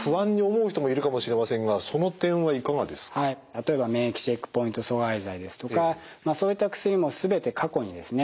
例えば免疫チェックポイント阻害剤ですとかそういった薬も全て過去にですね